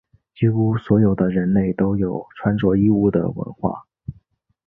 几乎所有的人类都有穿着衣物的文化。